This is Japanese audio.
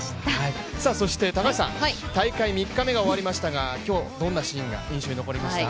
そして高橋さん、大会３日目が終わりましたが今日どんなシーンが印象に残りましたか？